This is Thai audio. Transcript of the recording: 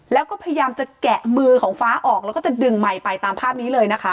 แล้วก็พยายามจะแกะมือของฟ้าออกแล้วก็จะดึงไมค์ไปตามภาพนี้เลยนะคะ